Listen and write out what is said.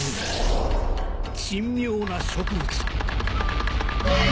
珍妙な植物